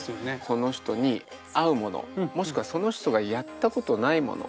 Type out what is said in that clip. その人に合うものもしくはその人がやったことないもの。